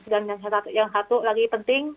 dan yang satu lagi penting